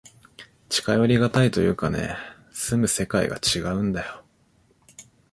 近寄りがたいというかね、住む世界がちがうんだよ。